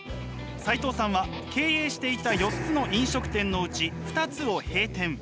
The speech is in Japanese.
齋藤さんは経営していた４つの飲食店のうち２つを閉店。